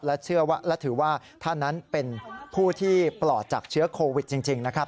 และถือว่าท่านนั้นเป็นผู้ที่ปลอดจากเชื้อโควิดจริงนะครับ